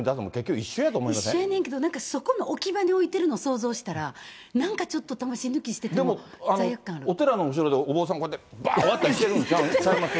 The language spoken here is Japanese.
一緒やねんけど、なんかそこの置き場に置いてるの想像したら、なんかちょっと、お寺の後ろでお坊さん、こうやって、ばーんって割ったりしてるんちゃいます？